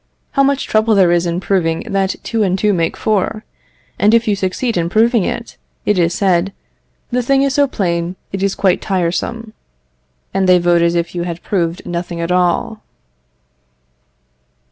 how much trouble there is in proving that two and two make four; and if you succeed in proving it, it is said "the thing is so plain it is quite tiresome," and they vote as if you had proved nothing at all.